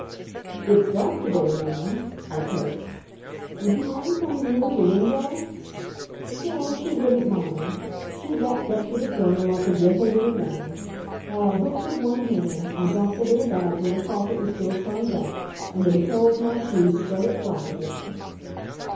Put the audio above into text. "It's dark to day, ma'am," I coaxed. "Would you mind coming nearer the window?" No, she wouldn't mind. She backed up to the corner like a gentle little lamb. While I hooked with one hand, I dropped the little bag where the carpet was still turned up, and with the toe of my shoe spread it flat again.